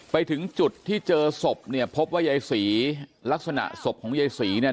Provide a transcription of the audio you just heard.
ไปถึงจุดที่เจอศพเนี่ยพบว่ายายศรีลักษณะศพของยายศรีเนี่ย